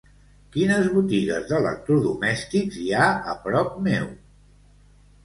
Quines botigues d'electrodomèstics hi ha a prop meu?